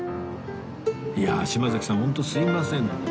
いや島崎さんホントすみません